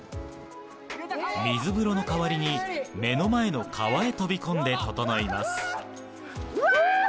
水風呂の代わりに目の前の川へ飛び込んでととのいますうわ！